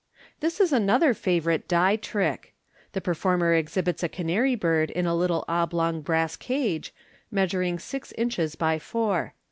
— This is another favourite die trick. The performer exhibits a canary bird in a little oblong brass cage, measuring six inches by four.